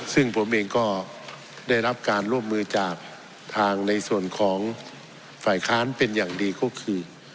ซึ่งผมเองก็ได้รับการร่วมมือจากทางในส่วนของฝ่ายค้านเป็นอย่างดีก็คือ